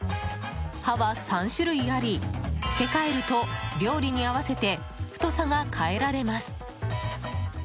刃は３種類あり、付け替えると料理に合わせて太さが変えられます。